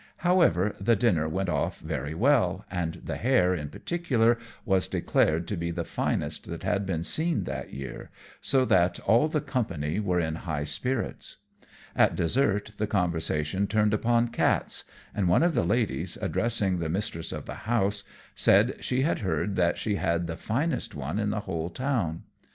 However, the dinner went off very well, and the hare, in particular, was declared to be the finest that had been seen that year; so that all the company were in high spirits. At dessert the conversation turned upon cats; and one of the ladies, addressing the mistress of the house, said she had heard that she had the finest one in the whole town.